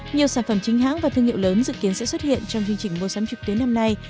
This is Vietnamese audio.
nhiều sản phẩm chính hãng và thương hiệu lớn dự kiến sẽ xuất hiện trong chương trình mua sắm trực tuyến năm nay